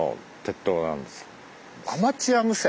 アマチュア無線。